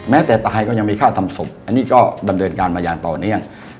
ตายก็ยังมีค่าทำศพอันนี้ก็ดำเนินการมาอย่างต่อเนื่อง